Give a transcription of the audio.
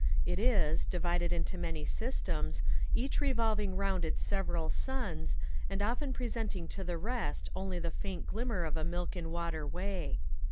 It is divided into many systems, each revolving round its several suns, and often presenting to the rest only the faint glimmer of a milk and water way.